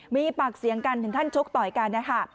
มีปากเสียงกันถึงขั้นชกต่อยกันนะคะ